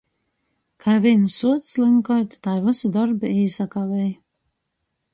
Kai vīns suoc slynkuot, tai vysi dorbi īsakavej.